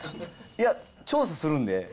いや、調査するんで。